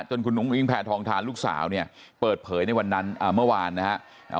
คุณนุ้งอิงแผ่ทองทานลูกสาวเนี่ยเปิดเผยในวันนั้นเมื่อวานนะฮะ